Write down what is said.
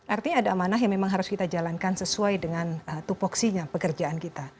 artinya ada amanah yang memang harus kita jalankan sesuai dengan tupoksinya pekerjaan kita